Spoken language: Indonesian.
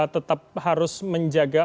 tetap harus menjaga